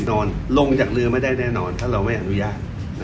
นอนลงจากเรือไม่ได้แน่นอนถ้าเราไม่อนุญาต